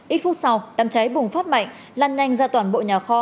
ít phút sau đám cháy bùng phát mạnh lan nhanh ra toàn bộ nhà kho